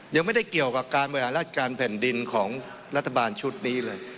ยังไม่ได้เกี่ยวกับการบริหารราชการแผ่นดินของรัฐบาลชุดนี้เลย